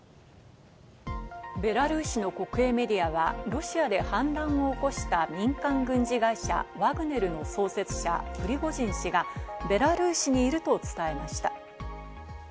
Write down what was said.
ベラルーシの国営メディアは、ロシアで反乱をおこした民間軍事会社ワグネルの創設者・プリゴジン氏がベラルーシにいると伝えました。